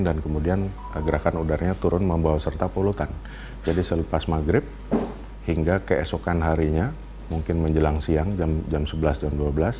dan kemudian gerakan udaranya turun membawa serta polutan jadi selepas maghrib hingga keesokan harinya mungkin menjelang siang jam sebelas jam dua belas